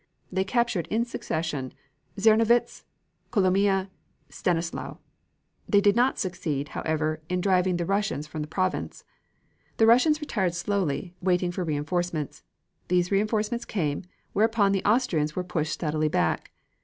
They captured in succession Czernowitz, Kolomea, and Stanislau. They did not succeed, however, in driving the Russians from the province. The Russians retired slowly, waiting for reinforcements. These reinforcements came, whereupon the Austrians were pushed steadily back.